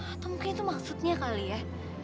atau mungkin itu maksudnya kali ya